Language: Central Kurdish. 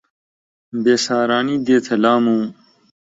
بێسارانی دێتە لام و